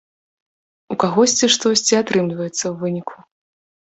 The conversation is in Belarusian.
У кагосьці штосьці атрымліваецца ў выніку.